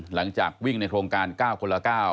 หลังจากวิ่งในโครงการเก้าคนละเก้า